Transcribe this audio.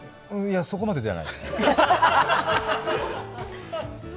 そこまでではないです。